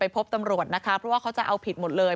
พบตำรวจนะคะเพราะว่าเขาจะเอาผิดหมดเลย